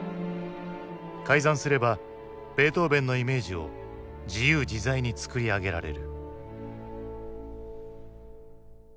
改ざんすればベートーヴェンのイメージを自由自在に作り上げられる。